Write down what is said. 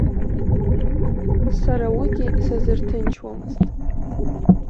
Сара уигьы сазырҭынчуамызт.